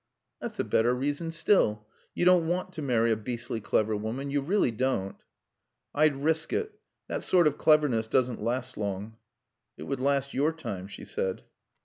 "That's a better reason still. You don't want to marry a beastly clever woman. You really don't." "I'd risk it. That sort of cleverness doesn't last long." "It would last your time," she said.